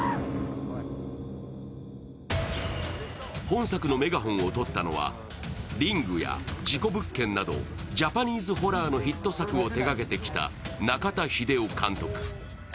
本作のメガホンをとったのは「リング」や「事故物件」などジャパニーズホラーのヒット作を手がけてきた中田秀夫監督。